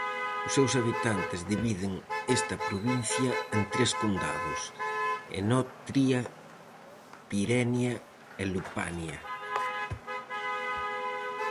Os seus habitantes dividen esta provincia en tres condados: Enotria, Pirenia, e Lupania.